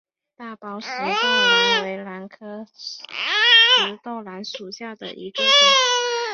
大苞石豆兰为兰科石豆兰属下的一个种。